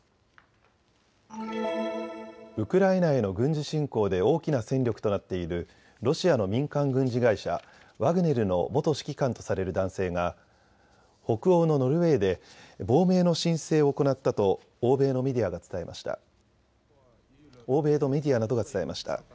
ウクライナへの軍事侵攻で大きな戦力となっているロシアの民間軍事会社、ワグネルの元指揮官とされる男性が北欧のノルウェーで亡命の申請を行ったと欧米のメディアなどが伝えました。